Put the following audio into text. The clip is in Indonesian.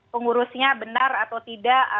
pengurusnya benar atau tidak